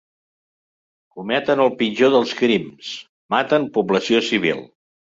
Cometen el pitjor dels crims: maten població civil.